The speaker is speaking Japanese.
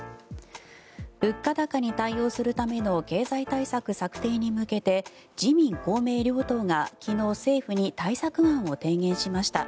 物価高に対応するための経済対策策定に向けて自民・公明両党が昨日、政府に対策案を提言しました。